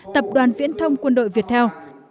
tập đoàn viễn thông quân đội việt theo